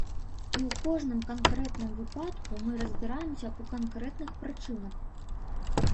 І ў кожным канкрэтным выпадку мы разбіраемся ў канкрэтных прычынах.